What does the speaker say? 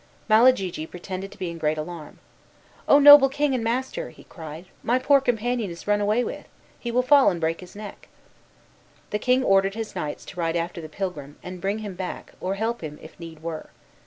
Malagigi pretended to be in great alarm. "O noble king and master," he cried, "my poor companion is run away with; he will fall and break his neck." The king ordered his knights to ride after the pilgrim, and bring him back, or help him if need were.